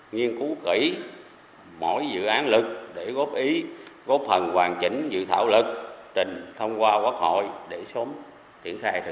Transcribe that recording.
nghiên cứu kỹ mỗi dự án luật để góp ý góp phần hoàn chỉnh dự thảo luật